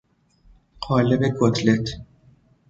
قالب کتلت